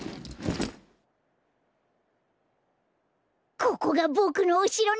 ここがボクのおしろなんだ。